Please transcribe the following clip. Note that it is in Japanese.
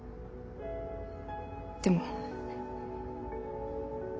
でも。